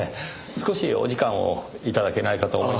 少しお時間を頂けないかと思いまして。